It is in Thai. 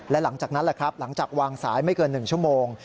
แล้วหลังจากวางสายไม่เกิน๑ชั่วโมง